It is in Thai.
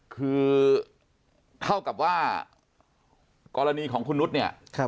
คือเท่ากับว่ากรณีของคุณนุษย์เนี่ย